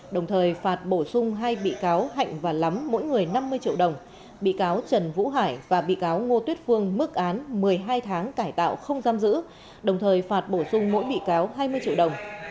đồng thời phạt bổ sung hai bị cáo hạnh và lắm mỗi người năm mươi triệu đồng bị cáo trần vũ hải và bị cáo ngô tuyết phương mức án một mươi hai tháng cải tạo không giam giữ đồng thời phạt bổ sung mỗi bị cáo hai mươi triệu đồng